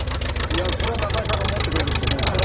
いや、それは中居さんが持ってくれると思うから。